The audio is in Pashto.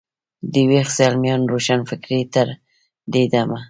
د ویښ زلمیانو روښانفکرۍ تر دې دمه.